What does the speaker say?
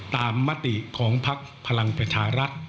ตามมติของภักษณ์พลังประชารัฐ